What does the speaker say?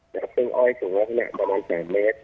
จะเพิ่งอ้อยสุดประมาณ๑๐๐เมตร